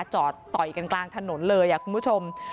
ต่อยกันกลางถนนเลยคุณผู้ชม